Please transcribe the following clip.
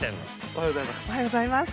おはようございます。